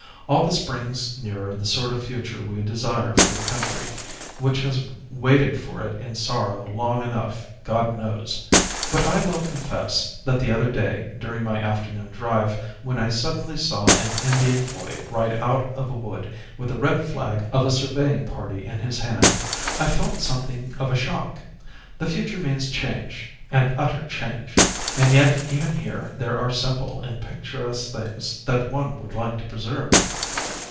"All this brings nearer the sort of future we desire for the country, which has waited for it in sorrow long enough, God knows. But I will confess that the other day, during my afternoon drive when I suddenly saw an Indian boy ride out of a wood with the red flag of a surveying party in his hand, I felt something of a shock. The future means change an utter change. And yet even here there are simple and picturesque things that one would like to preserve."